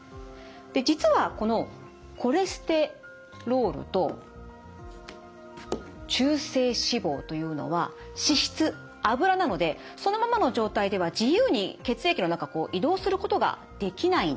で実はこのコレステロールと中性脂肪というのは脂質脂なのでそのままの状態では自由に血液の中移動することができないんです。